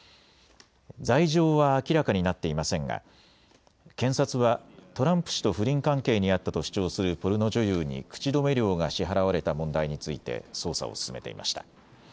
罪状は明らかになっていませんが検察はトランプ氏と不倫関係にあったと主張するポルノ女優に口止め料が支払われた問題について捜査を進めていました。